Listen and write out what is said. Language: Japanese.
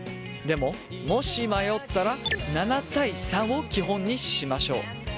でももし迷ったら７対３を基本にしましょう。